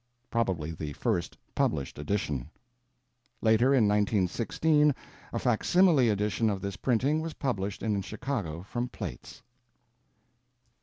] Probably the first published edition. Later, in 1916, a facsimile edition of this printing was published in Chicago from plates.